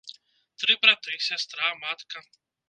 Тры браты, сястра, матка.